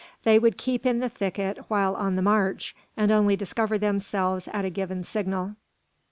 They would keep in the thicket while on the march, and only discover themselves at a given signal.